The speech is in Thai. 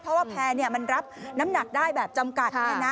เพราะว่าแพร่มันรับน้ำหนักได้แบบจำกัด